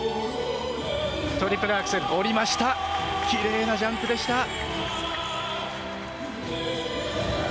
きれいなジャンプでした。